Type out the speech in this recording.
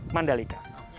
mas denny pribadi